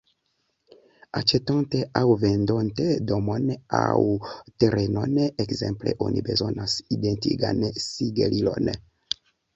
Aĉetonte aŭ vendonte domon aŭ terenon, ekzemple, oni bezonas identigan sigelilon.